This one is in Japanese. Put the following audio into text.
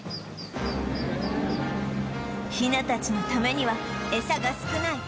ヒナたちのためにはエサが少ない